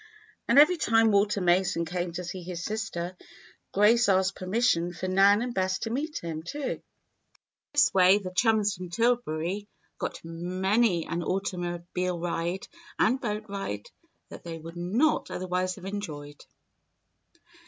And every time Walter Mason came to see his sister, Grace asked permission for Nan and Bess to meet him, too. In this way the chums from Tillbury got many an automobile ride and boat ride that they would not otherwise have enjoyed.